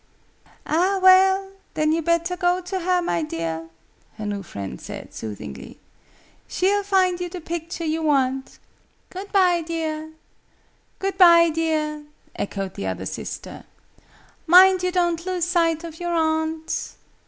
"Ah, well! Then you'd better go to her, my dear!" her new friend said, soothingly. "She'll find you the picture you want. Good bye, dear!" "Good bye, dear!" echoed the other sister, "Mind you don't lose sight of your aunt!"